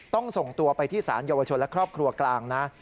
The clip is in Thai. ส่งตัวไปที่สารเยาวชนและครอบครัวกลางนะ